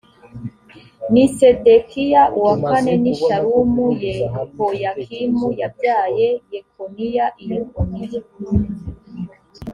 ni sedekiya uwa kane ni shalumu yehoyakimu yabyaye yekoniya i yekoniya